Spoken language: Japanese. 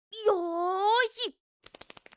よし！